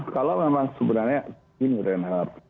kalau memang sebenarnya gini reinhardt